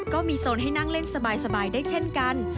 ก็มีโซนให้นั่งเล่นสบายได้เช่นกัน